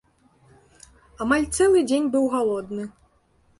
Амаль цэлы дзень быў галодны.